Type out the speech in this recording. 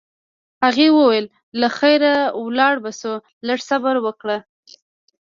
هغې وویل: له خیره ولاړ به شو، لږ صبر وکړه.